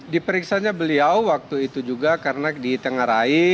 di periksaannya beliau waktu itu juga karena ditengarai